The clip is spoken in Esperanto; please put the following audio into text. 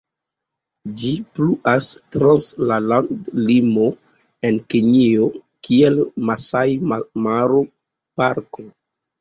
Ĝi pluas trans la landlimo, en Kenjo, kiel Masaj-Maro-Parko.